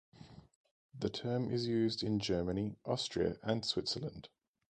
The term is used in Germany, Austria, and Switzerland.